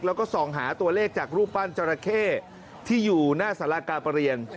แล้วก็ส่องหาตัวเลขจากรูปปั้นจราเข้ที่อยู่หน้าสารากาประเรียน